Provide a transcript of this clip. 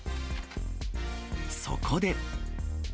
そこで。